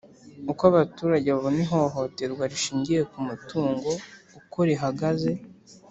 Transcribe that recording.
Uko abaturage babona ihohoterwa rishingiye ku mutungo uko rihagaze.